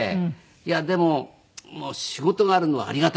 いやでも仕事があるのはありがたいと。